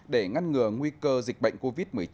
để ngăn ngừa nguy cơ dịch bệnh covid một mươi chín